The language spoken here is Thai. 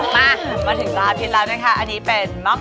ไม่ได้ห้ามบอก